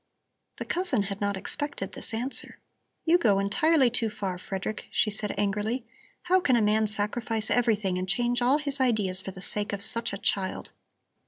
The cousin had not expected this answer. "You go entirely too far, Frederick," she said angrily. "How can a man sacrifice everything and change all his ideas for the sake of such a child?"